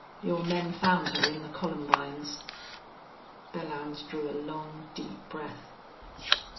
Your men found her in the columbines." Belllounds drew a long, deep breath.